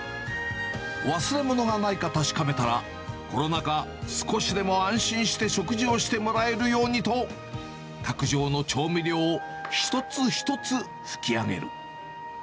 忘れ物がないか確かめたら、コロナ禍、少しでも安心して食事をしてもらえるようにと、卓上の調味料を一つ一つ拭き上げる。